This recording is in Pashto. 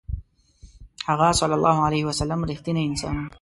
هغه ﷺ رښتینی انسان و.